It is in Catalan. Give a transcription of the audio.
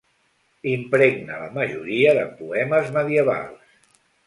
Impregna la majoria de poemes medievals.